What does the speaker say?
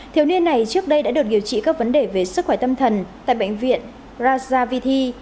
thiếu niên này trước đây đã được điều trị các vấn đề về sức khỏe tâm thần tại bệnh viện rajavithi